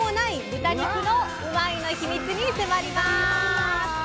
豚肉のうまいッ！の秘密に迫ります。